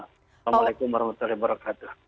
assalamualaikum warahmatullahi wabarakatuh